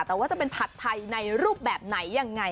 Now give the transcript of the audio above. แต่ว่าจะเป็นผัดไทยในรูปแบบไหนยังไง